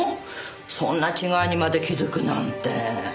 そんな違いにまで気づくなんて。